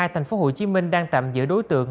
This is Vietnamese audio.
tp hcm đang tạm giữa đối tượng